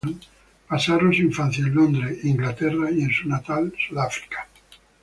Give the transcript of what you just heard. Pasaron su infancia en Londres, Inglaterra y en su natal Sudáfrica.